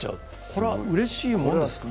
これはうれしいものですか？